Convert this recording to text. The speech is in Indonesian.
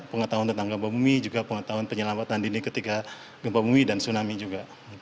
pengetahuan tentang gempa bumi juga pengetahuan penyelamatan dini ketika gempa bumi dan tsunami juga